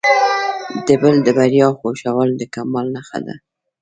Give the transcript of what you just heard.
د بل د بریا خوښول د کمال نښه ده.